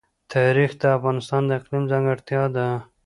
تاریخ د افغانستان د اقلیم ځانګړتیا ده.